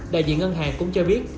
đại diện ngân hàng cũng cho biết